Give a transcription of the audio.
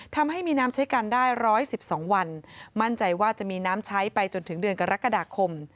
ทำให้มีน้ำใช้กันได้๑๑๒วันมั่นใจว่าจะมีน้ำใช้ไปจนถึงเดือนกรกฎาคม